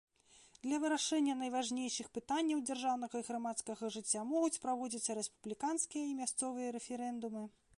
Для вырашэння найважнейшых пытанняў дзяржаўнага і грамадскага жыцця могуць праводзіцца рэспубліканскія і мясцовыя рэферэндумы.